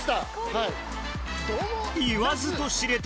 はい。